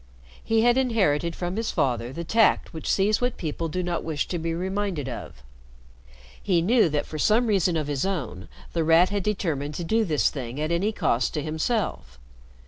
He had inherited from his father the tact which sees what people do not wish to be reminded of. He knew that for some reason of his own The Rat had determined to do this thing at any cost to himself.